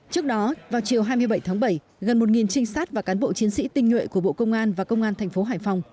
trước đó vào chiều hai mươi bảy tháng bảy gần một trinh sát và cán bộ chiến sĩ tinh nhuệ của bộ công an và công an thành phố hải phòng